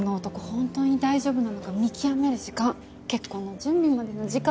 本当に大丈夫なのか見極める時間結婚の準備までの時間。